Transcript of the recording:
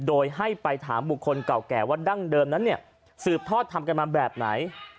โดยให้ไปถามบุคคลเก่าแก่ว่าดั้งเดิมนั้นเนี่ยสืบทอดทำกันมาแบบไหน